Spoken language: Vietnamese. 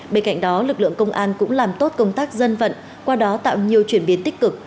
bên cạnh đó lực lượng công an cũng làm tốt công tác dân vận qua đó tạo nhiều chuyển biến tích cực